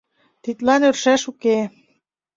Тидлан ӧршаш уке.